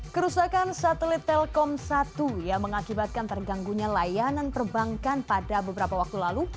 kerusakan satelit telkom satu yang mengakibatkan terganggunya layanan perbankan pada beberapa waktu lalu